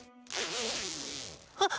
あ！